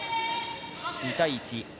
２対１。